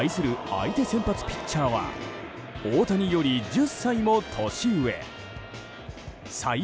相手先発ピッチャーは大谷より１０歳も年上サイ